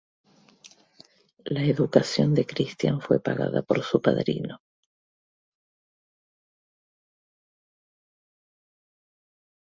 La educación de Christian fue pagada por su padrino.